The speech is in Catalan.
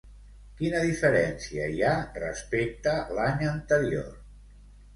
Quina diferència hi ha respecte l'any anterior?